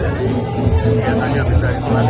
berarti ini dibuka untuk semalam ya